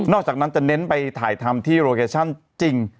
อกจากนั้นจะเน้นไปถ่ายทำที่โลเคชั่นจริง